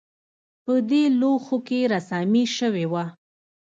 په دې لوښو کې رسامي شوې وه